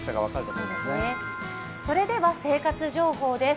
それでは、生活情報です。